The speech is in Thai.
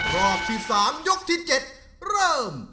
รอบที่๓ยกที่๗เริ่ม